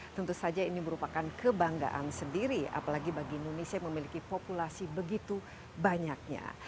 tentu saja ini merupakan kebanggaan sendiri apalagi bagi indonesia yang memiliki populasi begitu banyaknya